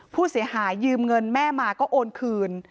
ผู้เสียหายยืมเงินแม่มาก็โอนคืน